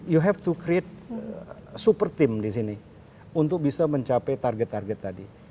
you have to create super team di sini untuk bisa mencapai target target tadi